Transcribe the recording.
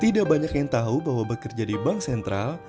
tidak banyak yang tahu bahwa bekerja di bank sentral